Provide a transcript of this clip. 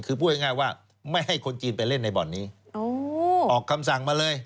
คือพูดง่ายว่าไม่ให้คนจีนไปเล่นในบ่อนนี้ออกคำสั่งมาเลย